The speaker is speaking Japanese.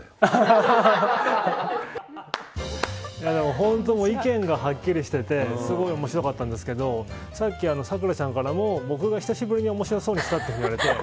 本当に意見がはっきりしていてすごい面白かったんですけどさっき咲楽ちゃんからも僕が久しぶりに面白そうでしたと言われて。